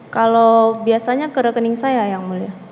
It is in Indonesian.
kalau biasanya ke rekening saya yang mulia